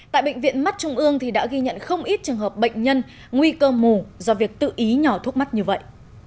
tại bệnh viện mắt trung ương đã ghi nhận không ít trường hợp bệnh nhân nguy cơ mù do việc tự ý nhỏ thuốc mắt như vậy